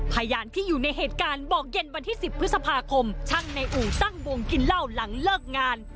พยานที่อยู่ในเหตุการณ์บอกเย็นวันที่๑๐พฤษภาคมช่างในอู่ตั้งวงกินเหล้าหลังเลิกงาน